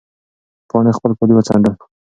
پاڼې خپل کالي وڅنډل.